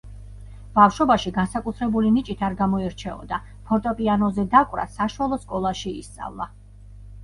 ბავშვობაში განსაკუთრებული ნიჭით არ გამოირჩეოდა, ფორტეპიანოზე დაკვრა საშუალო სკოლაში ისწავლა.